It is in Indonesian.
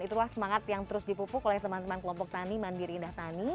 itulah semangat yang terus dipupuk oleh teman teman kelompok tani mandiri indah tani